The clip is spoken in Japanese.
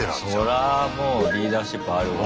そらぁもうリーダーシップあるわ。